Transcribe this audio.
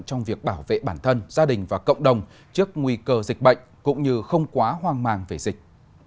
trong việc bảo vệ bản thân gia đình và cộng đồng trước nguy cơ dịch bệnh cũng như không quá hoang mang về dịch